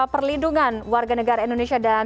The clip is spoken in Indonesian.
perlindungan warga negara indonesia dan